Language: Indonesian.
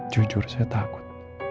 jujur saya takut